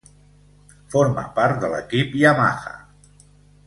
Forma part de l'equip Yamaha.